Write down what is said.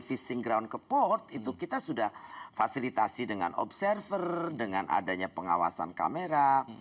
fishing ground ke port itu kita sudah fasilitasi dengan observer dengan adanya pengawasan kamera